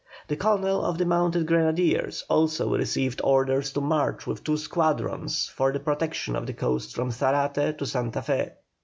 The colonel of the mounted grenadiers also received orders to march with two squadrons for the protection of the coast from Zarate to Santa Fé.